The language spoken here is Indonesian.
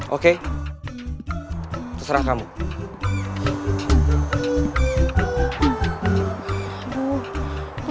oke terserah kamu